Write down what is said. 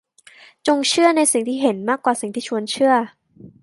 จงเชื่อในสิ่งที่เห็นมากกว่าสิ่งที่ชวนเชื่อ